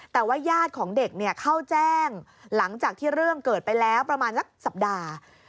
แต่ว่าญาติของเด็กเข้าแจ้งหลังจากที่เรื่องเกิดไปแล้วประมาณสักสัปดาห์